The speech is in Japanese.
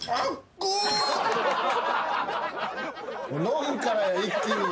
飲むからや一気に。